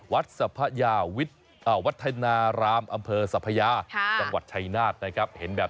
วัฒนารามอำเภอศัพยาจังหวัดชายนาฏนะครับ